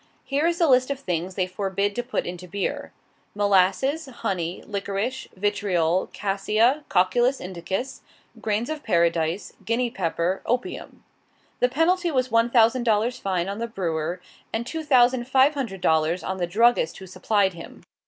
Here is the list of things they forbid to put into beer: "molasses, honey, liquorice, vitriol, quassia, cocculus indicus, grains of paradise, Guinea pepper, opium." The penalty was one thousand dollars fine on the brewer, and two thousand five hundred dollars on the druggist who supplied him.